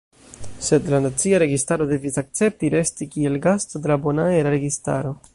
Sed la nacia registaro devis akcepti resti kiel gasto de la bonaera registaro.